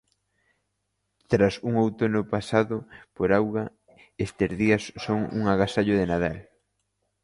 Tras un outono pasado por auga, estes días son un agasallo de Nadal.